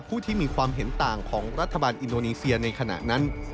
ผู้ที่มีความเห็นต่างของรัฐบาลอินโดนีเซียในขณะนั้น